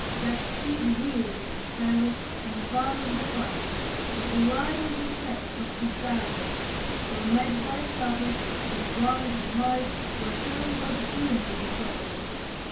That steed reeled, and fell, in the van of the fight, But the rider repressed not his daring, Till met by a savage, whose rank and might Were shown by the plume he was wearing.